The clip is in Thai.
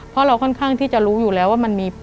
เพราะเราค่อนข้างที่จะรู้อยู่แล้วว่ามันมี